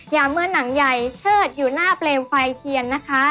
เมื่อหนังใหญ่เชิดอยู่หน้าเปลวไฟเทียนนะคะ